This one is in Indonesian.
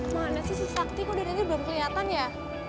mana sih sakti kok dia nanti belum kelihatan ya